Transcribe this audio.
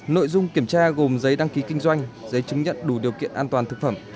nội dung kiểm tra gồm giấy đăng ký kinh doanh giấy chứng nhận đủ điều kiện an toàn thực phẩm